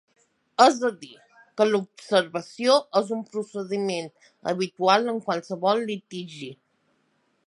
És a dir, que l’observació és un procediment habitual en qualsevol litigi.